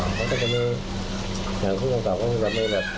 อย่างคุณคุณต่อคุณก็ไม่แบบ